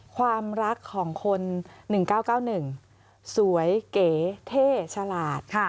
ความรักของคน๑๙๙๑สวยเก๋เท่ฉลาด